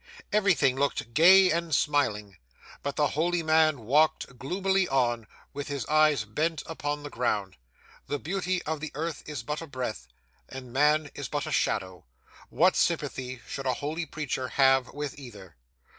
Everything looked gay and smiling; but the holy man walked gloomily on, with his eyes bent upon the ground. The beauty of the earth is but a breath, and man is but a shadow. What sympathy should a holy preacher have with either?